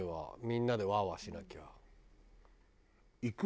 みんなでワーワーしなきゃ。